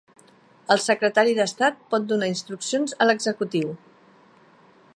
El Secretari d'Estat pot donar instruccions a l'Executiu.